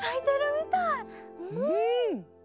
うん！